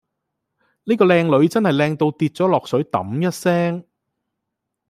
喱個靚女真係靚到跌落水揼一聲